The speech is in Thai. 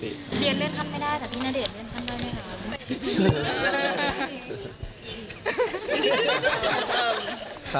เบียนเลื่อนทำไม่ได้แต่พี่ณเดชน์เลื่อนทำได้ไม่ได้ครับ